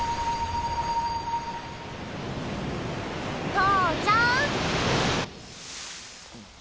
投ちゃん。